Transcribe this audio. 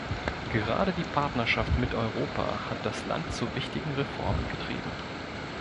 Gerade die Partnerschaft mit Europa hat das Land zu wichtigen Reformen getrieben.